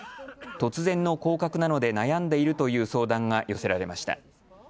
突然の降格なので悩んでいるという相談が寄せられました。